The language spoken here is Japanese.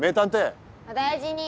お大事に。